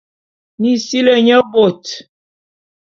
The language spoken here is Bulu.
Mi sili nye bôt.